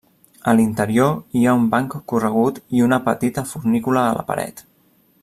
A l'interior hi ha un banc corregut i una petita fornícula a la paret.